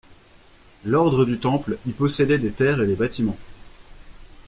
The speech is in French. L'Ordre du Temple y possédait des terres et des bâtiments.